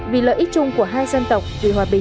vì lợi ích chung của hai dân tộc vì hòa bình trên thế giới